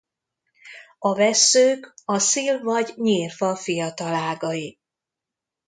A vesszők a szil- vagy nyírfa fiatal ágai.